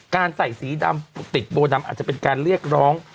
การใส่สีดำติดโบดำอาจจะเป็นการเรียกร้อง